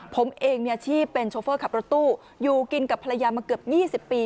ผมเองมีอาชีพเป็นโชเฟอร์ขับรถตู้อยู่กินกับภรรยามาเกือบ๒๐ปี